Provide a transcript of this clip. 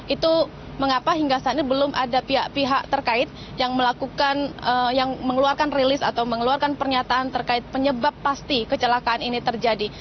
itu mengapa hingga saat ini belum ada pihak pihak terkait yang mengeluarkan rilis atau mengeluarkan pernyataan terkait penyebab pasti kecelakaan ini terjadi